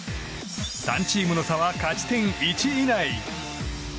３チームの差は勝ち点１以内。